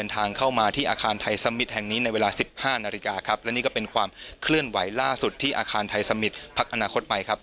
ทางนี้ในเวลา๑๕นาฬิกาครับและนี่ก็เป็นความเคลื่อนไหวล่าสุดที่อาคารไทยสมมิตรพักอนาคตใหม่ครับ